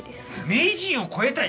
名人を超えたい？